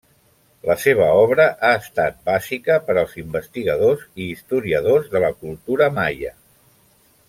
La seva obra ha estat bàsica per als investigadors i historiadors de la cultura maia.